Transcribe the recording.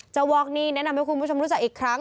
วอกนี่แนะนำให้คุณผู้ชมรู้จักอีกครั้ง